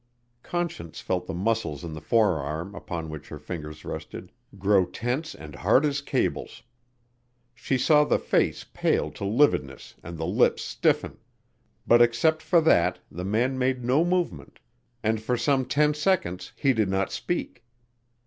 Conscience felt the muscles in the forearm upon which her fingers rested grow tense and hard as cables. She saw the face pale to lividness and the lips stiffen, but except for that, the man made no movement, and for some ten seconds he did not speak.